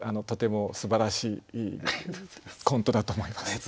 とてもすばらしいコントだと思います。